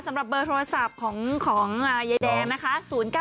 สำหรับเบอร์โทรศัพท์ของยายแดงนะคะ๐๙๘๑๘๗๕๕๔๑๐๙๘๑๘๗๕๕๔๑ค่ะ